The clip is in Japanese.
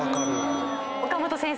岡本先生。